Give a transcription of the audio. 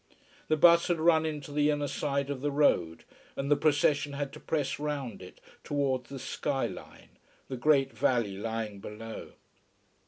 The bus had run into the inner side of the road, and the procession had to press round it, towards the sky line, the great valley lying below.